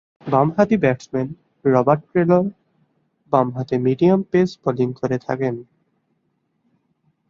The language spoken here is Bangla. বামহাতি ব্যাটসম্যান রবার্ট টেলর বামহাতে মিডিয়াম পেস বোলিং করে থাকেন।